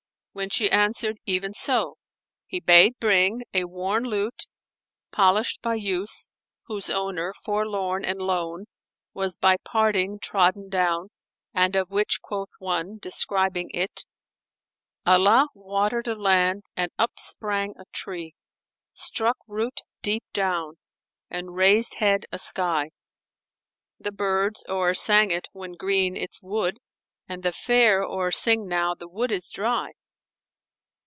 when she answered, "Even so!" He bade bring a worn lute, polished by use, whose owner forlorn and lone was by parting trodden down; and of which quoth one, describing it "Allah watered a land, and upsprang a tree * Struck root deep down, and raised head a sky: The birds o'ersang it when green its wood; * And the Fair o'ersing now the wood is dry."